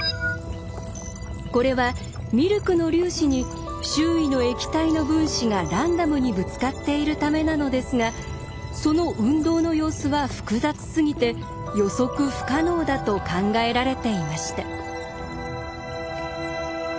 これはミルクの粒子に周囲の液体の分子がランダムにぶつかっているためなのですがその運動の様子は複雑すぎて予測不可能だと考えられていました。